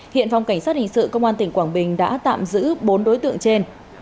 hiện phòng cảnh sát hình sự công an tỉnh quảng bình đã tạm giữ bốn đối tượng trên